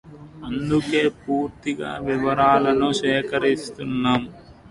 అందుకే పూర్తి వివరాలు సేకరిస్తున్నాము